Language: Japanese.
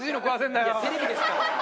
中丸：テレビですから。